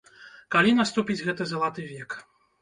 Калі наступіць гэты залаты век?